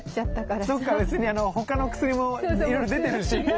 そっか別に他の薬もいろいろ出てるし。